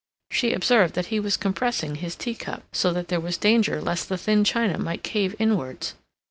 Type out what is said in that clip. She observed that he was compressing his teacup, so that there was danger lest the thin china might cave inwards.